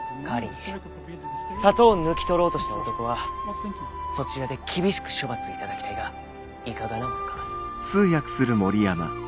代わりに砂糖を抜き取ろうとした男はそちらで厳しく処罰いただきたいがいかがなものか」。